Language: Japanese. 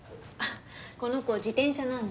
この子自転車なんで。